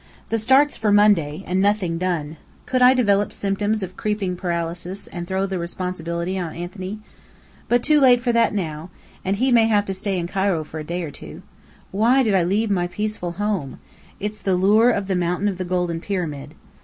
The start's for Monday, and nothing done! Could I develop symptoms of creeping paralysis, and throw the responsibility on Anthony? But too late for that now; and he may have to stay on in Cairo for a day or two. Why did I leave my peaceful home? It's the lure of the Mountain of the Golden Pyramid.